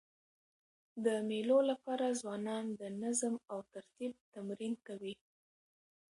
د مېلو له پاره ځوانان د نظم او ترتیب تمرین کوي.